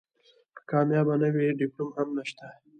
که کامیابي نه وي ډیپلوم هم نشته .